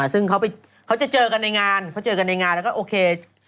ซึ่งเขาจะเจอกันในงานแล้วก็โอเค